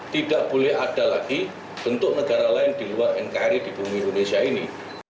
tidak boleh ada lagi bentuk negara lain di luar nkri di bumi indonesia ini